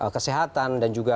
kesehatan dan juga